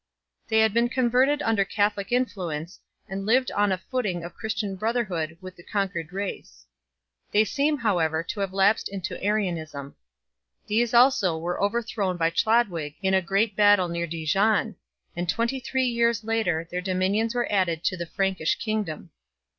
They had been converted under Catholic influence, and lived on a footing of Christian brotherhood with the con quered race 2 . They seem however to have lapsed into Arianism. These also were overthrown by Chlodwig in a great battle near Dijon, and twenty three years later their dominions were added to the Frankish kingdom.